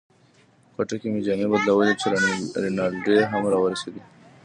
کوټه کې مې جامې بدلولې چې رینالډي هم را ورسېد.